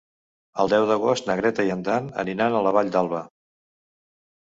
El deu d'agost na Greta i en Dan aniran a la Vall d'Alba.